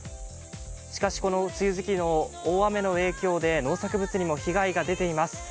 しかし、この間の大雨の影響で農作物にも被害が出ています。